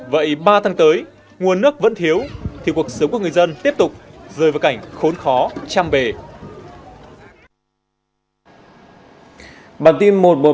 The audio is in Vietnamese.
vậy ba tháng tới nguồn nước vẫn thiếu thì cuộc sống của người dân tiếp tục rơi vào cảnh khốn khó chăm bề